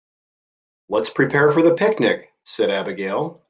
"Let's prepare for the picnic!", said Abigail.